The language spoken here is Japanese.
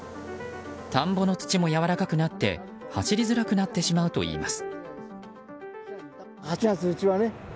田んぼの土もやわらかくなって走りづらくなってしまうといいます。